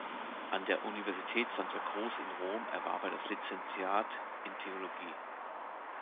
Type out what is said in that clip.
An der Universität Santa Cruz in Rom erwarb er das Lizentiat in Theologie.